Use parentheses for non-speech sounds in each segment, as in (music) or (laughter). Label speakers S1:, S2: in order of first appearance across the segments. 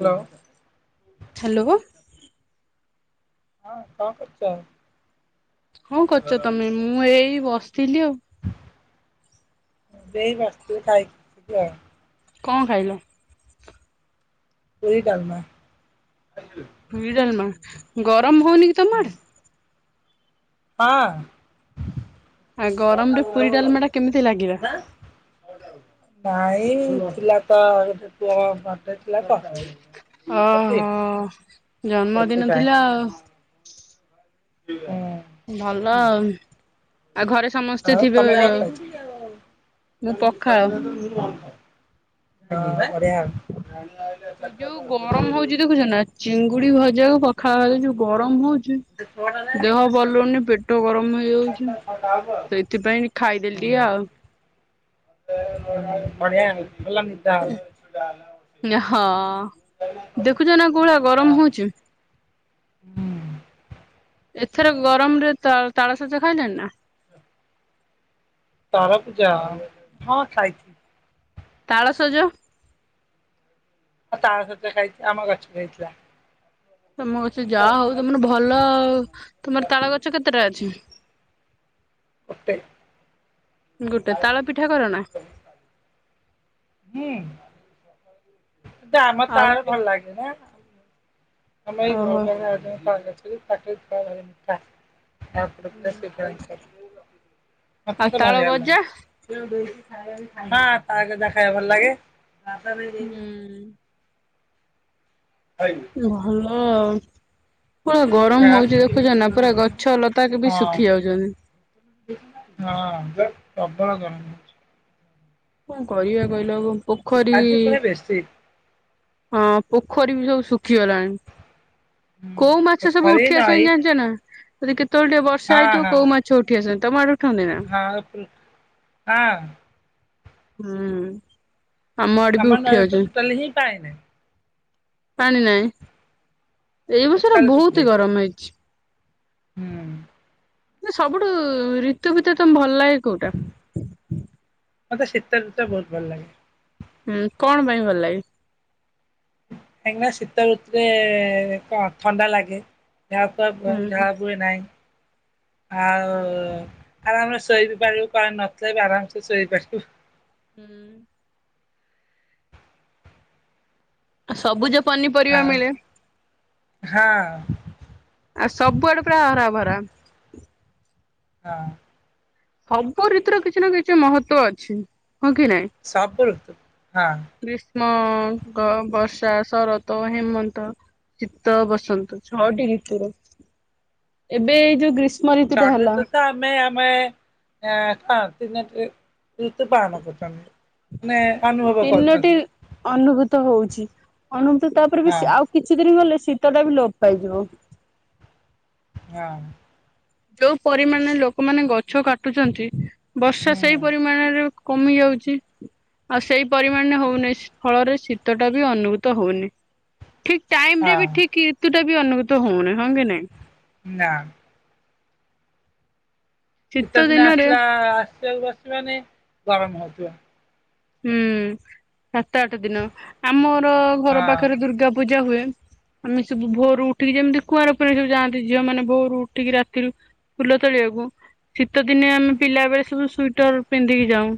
S1: Hello.
S2: Hello.
S1: ହଁ କଣ କରୁଚ?
S2: ହଁ କରୁଚ ତମେ? ମୁଁ ଏଇ ବସିଥିଲି ଆଉ।
S1: ମୁଁ ସେଇ ବସିଥିଲି ଖାଇକି ପିଇକି ଆଉ।
S2: କଣ ଖାଇଲ?
S1: ପୁରି, ଡାଲମା।
S2: ପୁରି, ଡ଼ାଲମା, ଗରମ ହଉନି କି ତମଆଡେ?
S1: ହଁ।
S2: ଆଉ ଗରମରେ ପୁରି, ଡାଲମାଟା କେମିତି ଲାଗିବା?
S1: ନାଇଁ ଥିଲା ତ ଗୋଟେ ପୁଅ ଘରଟେ ଥିଲା ତ
S2: ଓହୋ, ଜନ୍ମଦିନ
S1: ସେଥିପାଇଁ।
S2: ଥିଲା ଆଉ। ଭଲ
S1: ହୁଁ,
S2: ଆଉ ଆଉ ଘରେ ସମସ୍ତେ
S1: ଆଉ
S2: ଥିବେ
S1: ତମେ କଣ ଖାଇଚ?
S2: ମୁଁ ପଖାଳ
S1: (inaudible) (unintelligible) ବଢିଆ ଆଉ।
S2: ଏଇ ଯୋଉ ଗରମ ହଉଛି ଦେଖୁଛ ନା ଚିଙ୍ଗୁଡି ଭଜାକୁ ପଖାଳ ଭାତ, ଏ ଯୋଉ ଗରମ ହଉ ଦେହ ଭଲ ହୋଉନି ପେଟ ଗରମ ହେଇଯାଉଚି। ସେଇଥିପାଇଁ ଖାଇଦେଲି ଟିକେ ଆଉ।
S1: ବଢିଆ ଆଉ ହେଲାନି?
S2: ହଁ ଦେଖୁଚନା କୋଉ ଭଳିଆ ଗରମ ହୋଉଚି?
S1: ହଁ।
S2: ଏଥର ଗରମରେ ତା ତାଳସଜ ଖାଇଲେଣି ନା?
S1: ତାରଭୁଜ ହଁ ଖାଇ
S2: ତାଳସଜ?
S1: ହଁ ତାଳସଜ ଖାଇଚି ଆମ ଗଛରେ ହେଇଥିଲା।
S2: ତମ ଗଛ ଯା ହୋଉ ତମର ଭଲ ତମର ତାଳଗଛ କେତେଟା ଅଛି?
S1: ଗୋଟେ
S2: ଗୋଟେ ତାଳପିଠା କରନା?
S1: ହୁଁ ତତେ ଆମ
S2: ଆଉ
S1: ତାଲ
S2: ଗୋଟେ
S1: ଭଲ ଲାଗେ ନା। ଆମ ଏଇ ଘର
S2: ଓହୋ
S1: ପାଖରେ ଆଉ ଜଣ ତାଳ ଅଛି ଯେ ତାଙ୍କ (unintelligible) ଭାରି ମିଠା। ତାପରେ ପୁରା ସେ (unintelligible)
S2: ଆଉ
S1: ମତେତ
S2: ତାଳ
S1: ବଢିଆ
S2: ଗଜା
S1: ଲାଗେ। ହଁ ତାଳଗଜା ଖାଇବାକୁ ଭଲଲାଗେ।
S2: ହୁଁ
S1: (inaudible)
S2: ଭଲ ଆଉ। ପୁରା ଗରମ
S1: ହଁ
S2: ହୋଉଚି ଦେଖୁଚ ନା ପୁରା ଗଛଲତାକେ ବି ଶୁଖିଯାଉଚନ୍।
S1: ହଁ ପ୍ରବଳ ଗରମ।
S2: କଣ କରିବା କହିଲ ଓ ପୋଖରୀ
S1: ଆଜି ପୁଣି ବେଶୀ
S2: ହଁ ପୋଖରୀ ବି ସବୁ ଶୁଖିଗଲାଣି। କୋଉ ମାଛ ସବୁ
S1: ପୋଖରୀ ନଈ
S2: ଉଠିଆସନ୍ତି ଜାଣିଚ ନା ଯଦି କେତେବେଳେ ଟିକେ
S1: ହଁ
S2: ବର୍ଷା ହେଇଥିବ କୋଉ ମା ଛ ଉଠିଆସନ୍ତି ତମ ଆଡେ ଉଠନ୍ତି ନା?
S1: ଆଉ ପୃଟ୍ ହଁ।
S2: ହୁଁ ଆମ ଆଡେ ବି ଉଠିଆଉଚି।
S1: କଲେ ହିଁ ପାଏନା।
S2: ପାଣି ନାଇଁ ଏଇ ବର୍ଷରା
S1: ଟୋଟାଲ ଶୁଖି
S2: ବୋହୁତ ହି
S1: ଯାଇଛି।
S2: ଗରମ ହେଇଚି।
S1: ହୁଁ।
S2: ନାଇ ସବୁଠୁ ଋତୁ ଭିତରେ ତମୁ ଭଲଲାଗେ କୋଉଟା?
S1: ମତେ ଶୀତଋତୁଟା ବୋହୁତ ଭଲଲାଗେ।
S2: ଉଁ କଣ ପାଇଁ ଭଲ ଲାଗେ?
S1: କାହିଁକିନା ଶୀତ ଋତୁରେ କଣ ଥଣ୍ଡା ଲାଗେ ଏହା ଝାଳ
S2: ହୁଁ।
S1: ବୁ ବୁହେ ନାଇଁ ଆଉ ଆରାମରେ ଶୋଇ ବି ପାରିବୁ କଣ ନଥିଲେ ବି ଆରାମସେ ଶୋଇପାରିବୁ।
S2: ହୁଁ। ସବୁଜ ପନିପରିବା
S1: ଆଉ
S2: ମିଳେ।
S1: ହଁ।
S2: ଆଉ ସବୁଆଡେ ପୁରା ହରାଭରା।
S1: ହଁ।
S2: ସବୁ ଋତୁରେ କିଛି ନା କିଛି ମହତ୍ଵ ଅଛି ହଁ କି ନାଇଁ।
S1: ସବୁ ଋତୁ ହଁ।
S2: ଗ୍ରୀଷ୍ମ, ଗ ବର୍ଷା, ଶରତ, ହେମନ୍ତ। ଶୀତ, ବସନ୍ତ ଛଅଟି ଋତୁୁର ଏବେ ଏଇ ଯୋଉ ଗ୍ରୀଷ୍ମ
S1: ଷଢ଼
S2: ଋତୁଟା ହେଲା।
S1: ଋତୁ ତ ଆମେ ଆମେ ଏଁ କଁ ତିନୋଟି ଋତୁ ପଳନ କରୁଛୁ ଆମେ ଆମେ
S2: ତିନୋଟି ଅନୁଭୂତ ହୋଉଛି ଅନୁଭୂତ ତାପରେ ବି
S1: ହଁ
S2: ସେ ଆଉ କିଛି ଦିନି ଗଲେ ଶୀତଟା ବି ଲୋପ ପାଇଯିବ।
S1: ୟା ମ
S2: ଯୋଉ ପରିମାଣରେ ଲୋକମାନେ ଗଛ କାଟୁଚନ୍ତି ବର୍ଷା ସେଇ
S1: ହୁଁ
S2: ପରିମାଣରେ କମି ଯାଉଚି ଆଉ ସେଇ ପରିମାଣରେ ହୋଉନେଇ ଶୀ ଫଳରେ ଶୀ ତଟା ବି ଅନୁଭୂତ ହଉନି। ଠିକ୍ ଟାଇମ୍ ରେ
S1: ହଁ
S2: ବି ଠିକ୍ ଏତେଟା ବି ଅନୁଭୂତ ହଉନି ହଁ କି ନାଇଁ।
S1: ନା। ଶୀତ ଦିନ ଆସିଲା ଆସିବାକୁ ବସିବନି ଗରମ ହଉଥିବ।
S2: ହୁଁ ସାତ ଆଠ ଦିନ। ଆମ ର ଘର ପାଖରେ
S1: ହଁ।
S2: ଦୁର୍ଗା ପୂଜା ହୁଏ। ଆମେ ସବୁ ଭୋରୁ ଉଠିକି ଯେମିତି କୁଆଁର ପୂର୍ଣିମା ରେ ସବୁ ଝିଅ ମାନେ ଯାନ୍ତି ଭୋରୁ ଉଠିକି ରାତିକୁରୁ ଫୁଲ ତଳିଆକୁ। ଶୀତ ଦିନେ ଆମେ ପିଲା ବେଳେ ସବୁ ସୁଇଟର ପିନ୍ଧିକି ଯାଉଁ।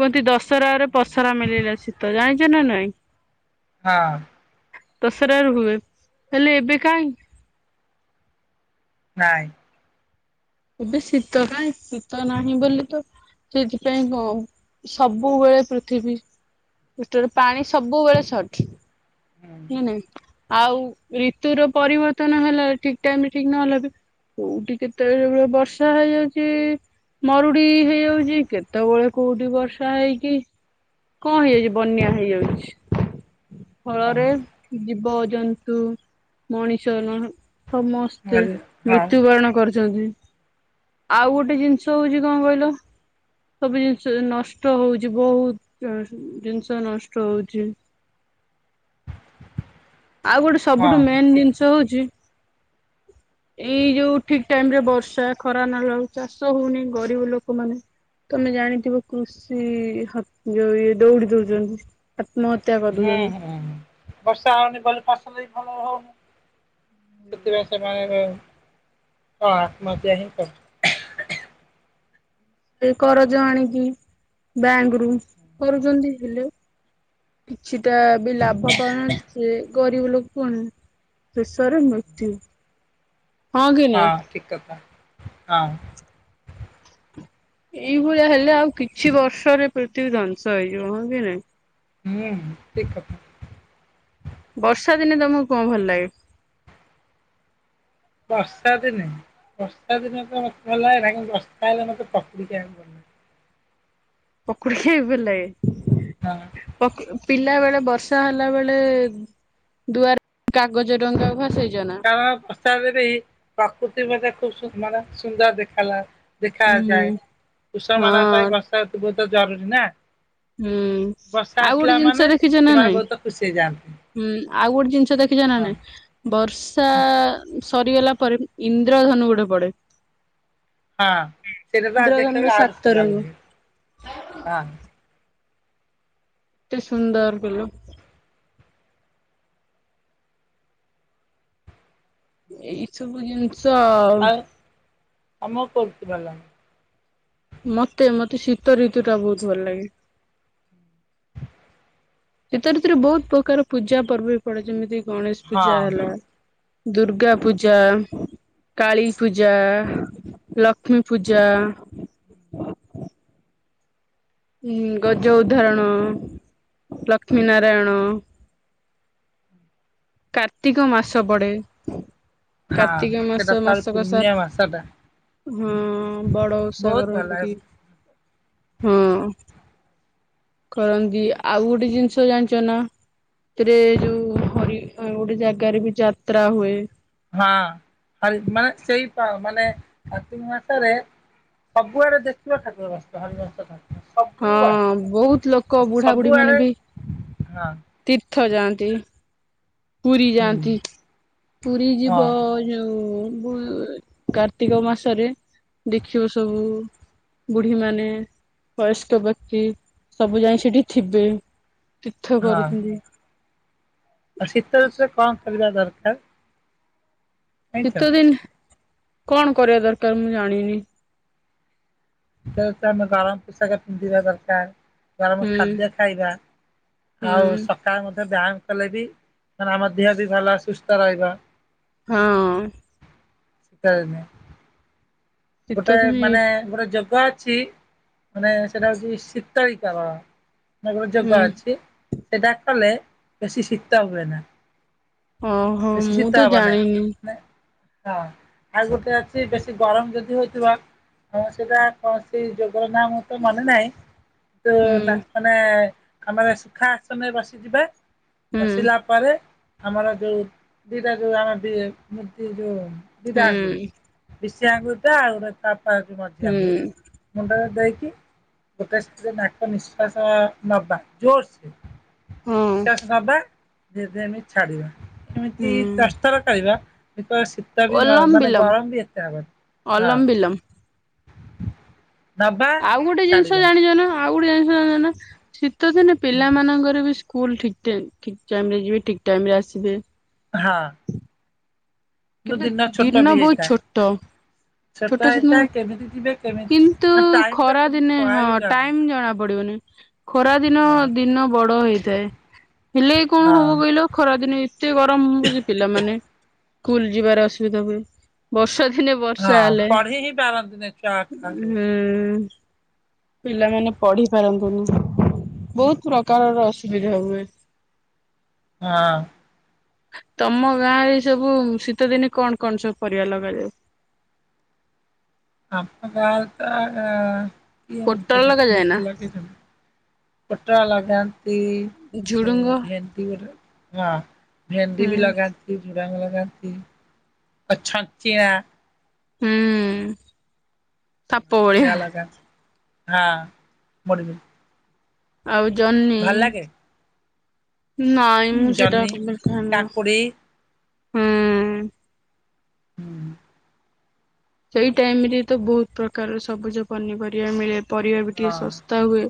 S2: କୁହନ୍ତି ଦଶରାରେ ପସରା ମିଳିଲା ଶୀତ। ଜାଣିଛ ନା ନାଇଁ?
S1: ହଁ।
S2: ଦଶରାରେ ହୁଏ। ହେଲେ ଏବେ କାଇଁ।
S1: ନାଇଁ।
S2: ଏବେ ଶୀତ କାଇଁ? ଶୀତ ନାହିଁ ବୋଲି ତ ସେଇଥିପାଇଁ ଗ ସବୁବେଳେ ପୃଥିବୀ ପୃଷ୍ଟାରେ ପାଣି ସବୁବେଳେ ସଟ୍।
S1: ହଁ
S2: ନା ନା। ଆଉ ରିତୁୁର ପରିବର୍ତ୍ତନ ହେଲା ଠିକ୍ ଟାଇମ୍ ରେ ଠିକ୍ ନହେଲେ ବି କୋଉଠି କେତେବେଳେ ବର୍ଷା ହେଇଯାଉଛି ମରୁଡି ହେଇଯାଉଛି କେତେବେଳେ କୋଉଠି ବର୍ଷା ହେଇକି କଣ ହେଇଯାଉଛି ବନ୍ୟା ହେଇଯାଉଛି।
S1: ହଁ
S2: ଫଳରେ
S1: ହଁ।
S2: ଜୀବ ଜନ୍ତୁ ମଣିଷ ନୁହଁ ସମସ୍ତେ
S1: ହଁ
S2: ମୃତ୍ୟୁବରଣ କରିଛନ୍ତି। ଆଉ ଗୋଟେ ଜିନିଷ ହଉଛି କଣ କହିଲ? ସବୁ ଜିନିଷ ନଷ୍ଟ ହଉଛି ବୋହୁତ୍ ନ ଜିନିଷ ନଷ୍ଟ ହଉଛି। ଆଉ ଗୋଟେ ସବୁଠୁ ମେନ୍ ଜିନିଷ ହୋଉଛି, ଏଇ ଯୋଉ ଠିକ୍ ଟାଇମ୍ ରେ ବର୍ଷା ଖରା ନହେଲାରୁ ଚାଷ ହଉନି, ଗରିବ ଲୋକମାନେ ତମେ ଜାଣିଥିବ କୃଷି ଯଉ ଇ ଦୌଡି ଦଉଛନ୍ତି ଆତ୍ମହତ୍ୟା କରୁଛନ୍ତି।
S1: ହୁଁ ହୁଁ ବର୍ଷା ହଉନି ବୋଲି ଫସଲ ବି ଭଲ ହ ସେଥିପାଇଁ ସେମାନେ ହଁ ଆତ୍ମହତ୍ୟା ହିଁ କରୁ ଛନ୍ତି।
S2: ଏ କରଜ ଆଣିକି ବ୍ୟାଙ୍କ ରୁ କରୁଛନ୍ତି ହେଲେ କିଛିଟା ବି ଲାଭ ପାଉନାହାନ୍ତି ସେ ଗରିବ ଲୋକ କୁ ଶେଷରେ ମୃତ୍ୟୁ। କି
S1: ହଁ
S2: ନାଇଁ?
S1: ଠିକ୍ କଥା ହଁ।
S2: ଏଇଭଳିଆ ହେଲେ ଆଉ କିଛି ବର୍ଷରେ ପୃଥିବୀ ଧ୍ଵଂସ ହେଇଯିବ ହଁ କି ନାଇଁ।
S1: ହୁଁ ଠିକ୍ କଥା।
S2: ବର୍ଷା ଦିନେ ତମକୁ କଣ ଭଲ ଲାଗେ?
S1: ବର୍ଷା ଦିନେ, ବର୍ଷା ଦିନେ ତ ମତେ ଭଲ ଲାଗେ ନା ବର୍ଷା ହେଲେ ମତେ ପକୁଡି ଖାଇବାକୁ ଭଲ ଲାଗେ।
S2: ପକୁଡି ଖାଇବାକୁ ଭଲ
S1: ହଁ
S2: ଲାଗେ। ପକ ପିଲା ବେଳେ ବର୍ଷା ହେଲା ବେଳେ ଦୁଆର କାଗଜ ଡଙ୍ଗା ଭସେଇଛନା?
S1: ହଁ ପ୍ରସାଦରେ ହି ପ୍ରକୃତି ମଧ୍ୟ ଖୁବ ସୁନ୍ଦର-ସୁନ୍ଦର ଦେଖା ଲାଗେ।
S2: ହୁଁ।
S1: ଦେଖାଯାଏ। କୃଷମାନାନଙ୍କ ପାଇଁ
S2: ହଁ
S1: ବର୍ଷା ରୁତୁ ବୋହୁତ୍ ଜରୁରୀ ନା।
S2: ହୁଁ
S1: ବର୍ଷା
S2: ଆଉ
S1: ଆସିଲା
S2: ଗୋଟେ ଜିନିଷ
S1: ମାନେ
S2: ଦେଖିଛ ନା
S1: ସେମାନେ
S2: ନାଇଁ?
S1: ବହୁତ ଖୁସି ହେଇଯାଆନ୍ତି
S2: ହୁଁ ଆଉ ଗୋଟେ ଜିନିଷ ଦେଖିଛ ନା
S1: ହଁ
S2: ନାଇଁ? ବର୍ଷା
S1: ହଁ
S2: ସରିଗଲା ପରେ ଇନ୍ଦ୍ରଧନୁ ଗୋଟେ ପଡେ?
S1: ହଁ ସେଟା ତ
S2: ଇନ୍ଦ୍ରଧନୁର
S1: ଦେଖିବାକୁ ଆହୁରି
S2: ସାତ
S1: ସୁନ୍ଦର
S2: ରଙ୍ଗ
S1: ଲାଗେ। ହଁ।
S2: କେତେ ସୁନ୍ଦର କହିଲ। ଏଇ ସବୁ ଜିନିଷ ଆଉ।
S1: କାମ କରୁଛି ଭଲ।
S2: ମତେ ମତେ ଶୀତ ଋତୁ ଟା ବହୁତ ଭଲ ଲାଗେ। ଶୀତଋତୁରେ ବହୁତ ପ୍ରକାର ପୂଜା ପର୍ବ ବି ପଡେ ଯେମିତି ଗଣେଶ ପୂଜା
S1: ହଁ
S2: ହେଲା। ଦୁର୍ଗା ପୂଜା କାଳୀପୂଜା ଲକ୍ଷ୍ମୀ ପୂଜା। ହଁ ଗଜ ଉଦାହରଣ ଲକ୍ଷ୍ମୀ ନାରାୟଣ। କାର୍ତ୍ତିକ ମାସ ପଡେ କାର୍ତ୍ତିକ ମାସ ମାସକ ସାରା
S1: ସାଟା-
S2: ହଁ ବଡ ଓଷା
S1: ଭଲ ଲାଗେ
S2: କରନ୍ତି। ହଁ। କରନ୍ତି ଆଉ ଗୋଟେ ଜିନିଷ ଜାଣିଛ ନା ସେଥିରେ ଯୋଉ ଆଉ ଗୋଟେ ଜାଗାରେ ବି ଯାତ୍ରା ହୁଏ।
S1: ହଁ ମାନେ ସେଇ ମାନେ କାର୍ତିକ ମାସରେ ସବୁଆଡେ ଦେଖିବା ଠକୁର ବସିଥିବ ହରି ବଂଶ ତା ନା।
S2: ହଁ ବହୁତ ଲୋକ ବୁଢାବୁଢୀ ମାନେ
S1: ସବୁଆଡେ
S2: ବି
S1: ହଁ
S2: ତୀର୍ଥ ଯାଆନ୍ତି ପୁରୀ
S1: ହୁଁ
S2: ଯାଆନ୍ତି ପୁରୀ ଯିବ।
S1: ହଁ
S2: ଯୋଉ ବୋ କାର୍ତ୍ତିକ ମାସରେ ଦେଖିବ ସବୁ ବୁଢୀମାନେ ବୟସ୍କ ବ୍ୟକ୍ତି ସବୁ ଯାଇକି ସେଠି ଥିବେ ତୀର୍ଥ
S1: ହଁ
S2: କରୁଛନ୍ତି।
S1: ଆଉ ଶୀତଋତୁରେ କଣ କରିବା ଦରକାର? ଜାଣିଛ
S2: ଶୀତ ଦିନ କଣ କରିବା ଦରକାର ମୁଁ ଜାଣିନି।
S1: (unintelligible) ଆମେ ଗରମ ପୋଷାକ ପିନ୍ଧିବା ଦରକାର। ଗରମ
S2: ହୁଁ
S1: ଖାଦ୍ୟ ଖାଇବା
S2: ହୁଁ
S1: ଆଉ ସ ସକାଳେ ମଧ୍ୟ ବ୍ୟାୟାମ କଲେ ବି ମ ଆମ ଦେହ ବି ଭଲ ସୁସ୍ଥ ରହିବ।
S2: ହଁ।
S1: ସେମ
S2: ଶୀତ
S1: ଗୋଟେ
S2: ଦିନ ଏଇ
S1: ମାନେ ଗୋଟେ ଯୋଗ ଅଛି। ମାନେ ସେଟା ହଉଛି ଶୀତଳୀ କରଣ ମାନେ ଗୋଟେ
S2: ହୁଁ
S1: ଯୋଗ ଅଛି। ସେଟା କଲେ ବେଶୀ ଶିତ ହୁଏନା।
S2: ଓହୋ ମୁଁ ତ
S1: ହବନି
S2: ଜାଣିନି।
S1: ମାନେ ହଁ ଆଉ ଗୋଟେ ଅଛି ବେଶୀ ଗରମ ଯଦି ହଉଥିବା ହଁ ସେଇଟା କୌଣସି ଯୋଗର ନା ମୁ ତ ମାନେ ନାହିଁ ତ
S2: ହୁଁ
S1: ନା ମାନେ କାମରେ ସୁଖା ଆସନରେ ବସିଯିବା
S2: ହୁଁ
S1: ବସିଲା ପରେ ଆମର ଯୋଉ ଦିଟା ଯୋଉ ଆମର ବି ମୂର୍ତ୍ତି ଯୋଉ ଦିଟା
S2: ହୁଁ
S1: ଆଗୁଳୀ ବିଶି ଆଙ୍ଗୁଳି ଟା ଆଉ ତାପ (unintelligible) ମଝି
S2: ହୁଁ
S1: ଆଙ୍ଗୁଳୀ ମୁଣ୍ଡରେ ଦେଇକି ଗୋଟେ (unintelligible) ନିଶ୍ଵାସ ନବା ଜୋର ସେ।
S2: ହଁ
S1: ନିଶ୍ୱାସ ନବା ଯେମତି ଛାଡିବା ଏମିତି
S2: ହୁଁ
S1: ଦଶ ଥର କରିବା। ଶୀତ ବି
S2: ଓଲମ
S1: ମାନ
S2: ବିଲମ
S1: ଗରମ ବି ଏତେ ହବନି ହଁ।
S2: ଅଲମ ବିଲମ
S1: ନବା
S2: ଆଉ ଗୋଟେ ଜିନିଷ
S1: ଛାଡିବା
S2: ଜାଣିଛ ନା। ଆଉ ଗୋଟେ ଜାଣି (unintelligible) ନା ଶୀତ ଦିନେ ପିଲାମାନଙ୍କରେ ବି ସ୍କୁଲ ଠିକ ଟ ଠିକ୍ ଟାଇମ୍ ରେ ଯିବେ ଠିକ୍ ଟାଇମ ରେ ଆସିବେ।
S1: ହଁ।
S2: କିନ୍ତୁ
S1: ଦିନ ଛୋଟ
S2: ଦୀର୍ଣ
S1: ବି
S2: ବହୁତ
S1: ହେଇଥାଏ।
S2: ଛୋଟ। ଛୋଟ ସିନ
S1: ହେଇଥାଏ କେମିତି ଯିବେ କେମିତି
S2: କିନ୍ତୁ
S1: ମାନେ ଟାଇମ ଟା
S2: ଖରା
S1: କେମିତି
S2: ଦିନେ
S1: ପଳାଏ
S2: ହଁ
S1: ବି ଜଣାପଡୁନି।
S2: ଟାଇମ ଜଣା ପଡିବନି ଖରା ଦିନ
S1: ହଁ
S2: ଦିନ ବଡ ହେଇଥାଏ ହେଲେ କଣ
S1: ହଁ
S2: ହବ କହିଲ? ଖରା ଦିନେ ଏତେ ଗରମ ହଉଛି ପିଲାମାନେ ସ୍କୁଲ ଯିବାର ଅସୁବିଧା ହୁଏ। ବର୍ଷା ଦିନେ ବର୍ଷା
S1: ହଁ
S2: ହେଲେ
S1: ପଢି ହିଁ ପାରନ୍ତିନି ଛୁଆ ଆଠ ବର୍ଷରେ।
S2: ହୁଁ। ପିଲାମାନେ ପଢି ପାରନ୍ତିନି ବହୁତ ପ୍ରକାରର ଅସୁବିଧା ହୁଏ।
S1: ହଁ।
S2: ତମ ଗାଁରେ ସବୁ ଶୀତ ଦିନେ କଣ କଣ ସବୁ ପରିବା ଲଗାଯାଏ?
S1: ଆମ ଗାଁ ରେ ତ କିଏ
S2: ପୋଟଳ
S1: ମୁତେ
S2: ଲଗାଯାଏ
S1: ଦେଖିନି
S2: ନା
S1: କିଏ ଲଗେଇଚନ୍ତି। ପଟା ଲଗାନ୍ତି ଯୋଉ
S2: ଝୁଡୁଙ୍ଗ
S1: ଭେଣ୍ଟି ଗୋଟେ ହଁ ଭେଣ୍ଡି
S2: ହୁଁ
S1: ବି ଲଗା ଝୁଡ଼ାଙ୍ଗ ଲଗାନ୍ତି ଆଉ ଛଞ୍ଚିଆ
S2: ହୁଁ। ସାପ ଭଳିଆ
S1: ସେଆ ଲଗନ୍ତି ହଁ ମଡ଼ି
S2: ଆଉ ଜହ୍ନି
S1: ଲାଗେ
S2: ନାଇଁ
S1: ହୁଁ
S2: ମୁଁ (unintelligible)
S1: ଜହ୍ନି
S2: ଡାକବଖାନ
S1: କାକୁଡି ହୁଁ
S2: ସେଇ ଟାଇମ ରେ ତ ବହୁତ ପ୍ରକାରର ସବୁଜ ପନିପରିବା ମିଳେ। ପରିବାର ବି ଟିକେ
S1: ହଁ
S2: ଶସ୍ତା ହୁଏ।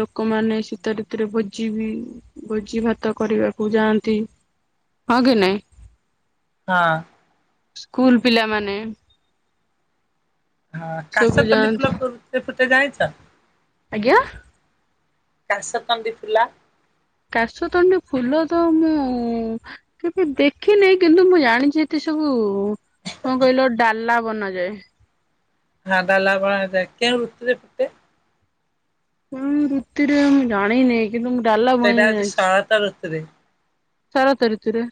S2: ଲୋକମାନେ ଶୀତ ଋତୁରେ ଭୋଜି ବି ଭୋଜି ଭାତ କରିବାକୁ ଯାଆନ୍ତି। ହଁ କି ନାଇଁ?
S1: ହଁ।
S2: ସ୍କୁଲ ପିଲାମାନେ
S1: ହଁ
S2: ସବୁ
S1: କାଶତଣ୍ଡି
S2: ଯାଆନ୍ତି
S1: ଫୁଲ କେବେ ଫୁଟେ ଯାଣିଛ?
S2: ଆଜ୍ଞା।
S1: କାଶତଣ୍ଡି ଫୁଲ
S2: କାଶତଣ୍ଡି ଫୁଲ ତ ମୁଁ କେବେ ଦେଖିନାହିଁ କିନ୍ତୁ ମୁଁ ଜାଣିଛି ଏତେ ସବୁ କଣ କହିଲ ଡାଲା ବନାଯାଏ।
S1: ହଁ ଡାଲା ବଣାଯାଏ କେଉଁ ଋତୁରେ ପୁଟେ?
S2: କେଉଁ ଋତୁରେ ମୁଁ ଜାଣିନାହିଁ କିନ୍ତୁ ମୁଁ ଡାଲା
S1: ସେଇଟା
S2: ବଣେଇ
S1: ହଉଛି
S2: ଜାଣିଛି।
S1: (unintelligible)
S2: ଶରତ ଋତୁରେ।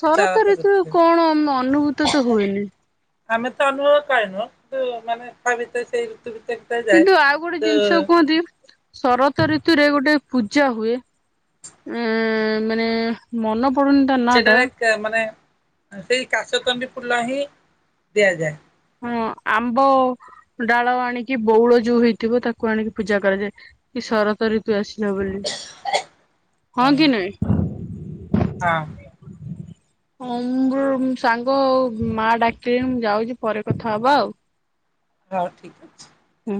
S2: ଶରତ ଋତୁ କଣ ଅନୁଭୂତ ତ ହୁଏନି?
S1: ଆମେ ତ ଅନୁଭବ ପାଇନୁ କିନ୍ତୁ ମାନେ ତା ଭିତରେ ସେଇ ଋତୁ ଭିତରେ ଭିତରେ ଯାଏ।
S2: କିନ୍ତୁ ଆଉ ଗୋଟେ ଜିନିଷ କୁହନ୍ତି ଶରତ ଋତୁରେ ଗୋଟେ ପୂଜା ହୁଏ। ଉ ମାନେ ମନେ ପଡୁନି ତା ନାଁ ଟା
S1: ସେଟାରେ ମାନେ ସେଇ କାଶ ତଣ୍ଡି ଫୁଲ ହିଁ ଦିଆଯାଏ।
S2: ହଁ ଆମ୍ବ ଡାଳ ଆଣିକି ବଉଳ ଯୋଉ ହେଇଥିବ ତାକୁ ଆଣିକି ପୂଜା କରାଯାଏ। କି ଶରତ ଋତୁ ଆସିଲ ବୋଲି ହଁ କି ନାଇ?
S1: ହଁ।
S2: ହଁ ବୃ ସାଙ୍ଗ ମାଆ ଡାକିଲେଣି ମୁଁ ଯାଉଛି ପରେ କଥା ହବା ଆଉ।
S1: ହଉ ଠିକ ଅଛି।
S2: ହୁଁ।